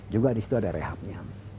juga di situ ada rehabnya